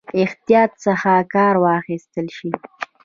احتیاط څخه کار واخیستل شي.